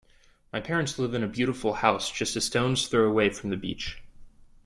My parents live in a beautiful house just a stone's throw from the beach.